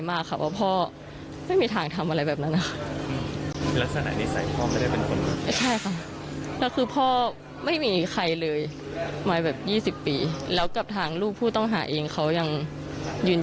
มากค่ะเพราะพ่อไม่มีทางทำอะไรแบบนั้นอ่ะลักษณะนิสัย